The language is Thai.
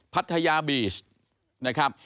พัทยาบีชนะครับ